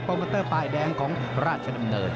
โมเตอร์ป้ายแดงของราชดำเนิน